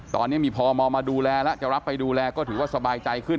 ตอนนี้มีพมมาดูแลแล้วจะรับไปดูแลก็ถือว่าสบายใจขึ้น